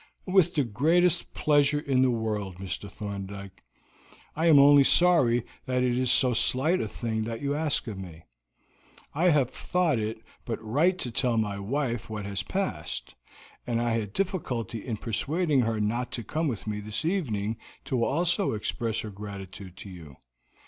"With the greatest pleasure in the world, Mr. Thorndyke. I am only sorry that it is so slight a thing that you ask of me. I have thought it but right to tell my wife what has passed, and I had difficulty in persuading her not to come with me this evening to also express her gratitude to you.